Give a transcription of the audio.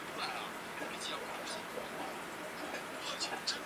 玩家将扮演救世主重建这被荒废的世界。